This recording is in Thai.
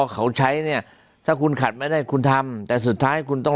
เขาใช้เนี่ยถ้าคุณขัดไม่ได้คุณทำแต่สุดท้ายคุณต้อง